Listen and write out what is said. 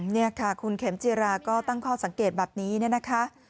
นี่ค่ะคุณเข็มจิราก็ตั้งข้อสังเกตแบบนี้เนี่ยนะคะ